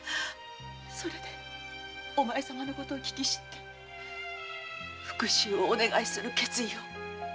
それでお前様の事を知って復讐をお願いする決意を。